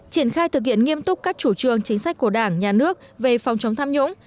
triển khai thực hiện nghiêm túc các chủ trương chính sách của đảng nhà nước về phòng chống tham nhũng